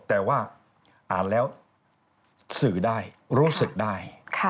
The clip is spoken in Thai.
แต่ว่าอ่านแล้วสื่อได้รู้สึกได้